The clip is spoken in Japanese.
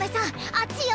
あっちよ！